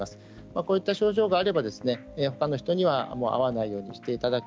こういった症状があればほかの人に会わないようにしていただく。